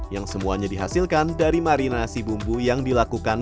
yang semuanya dihasilkan dari marinasi bumbu yang dilakukan